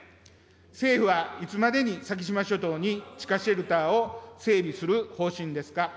政府はいつまでに先島諸島に地下シェルターを整備する方針ですか。